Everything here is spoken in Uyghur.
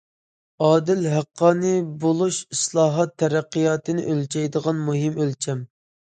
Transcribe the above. ئادىل، ھەققانىي بولۇش ئىسلاھات، تەرەققىياتنى ئۆلچەيدىغان مۇھىم ئۆلچەم.